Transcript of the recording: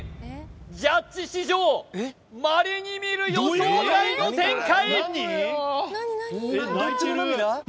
ジャッジ史上稀にみる予想外の展開！